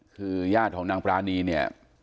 คือญาติของนางปรานีเนี่ย